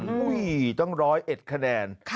โอ้โฮต้องร้อยเอ็ดคะแนน